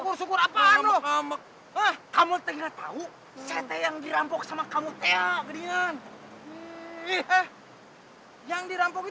tidak ada orang yang membunuh diri